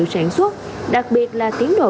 sản xuất đặc biệt là tiến độ